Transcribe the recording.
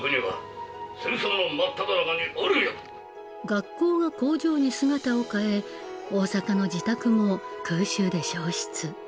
学校が工場に姿を変え大阪の自宅も空襲で焼失。